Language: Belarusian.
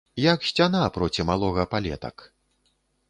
Як сцяна, проці малога палетак.